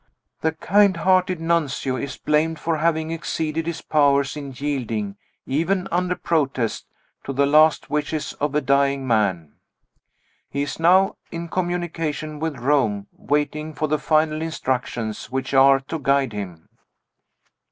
The kind hearted Nuncio is blamed for having exceeded his powers in yielding (even under protest) to the last wishes of a dying man. He is now in communication with Rome, waiting for the final instructions which are to guide him."